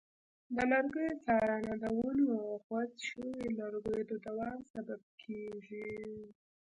د لرګیو څارنه د ونو او غوڅ شویو لرګیو د دوام سبب کېږي.